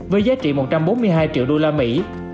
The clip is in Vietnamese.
với giá trị một trăm bốn mươi hai triệu đô la mỹ